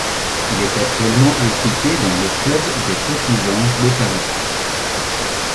Il est actuellement impliqué dans le club des Petits Anges de Paris.